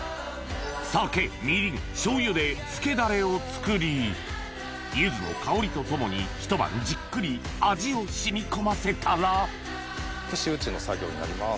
酒みりん醤油で漬けダレを作り柚子の香りと共に一晩じっくり味を染み込ませたら串打ちの作業になります。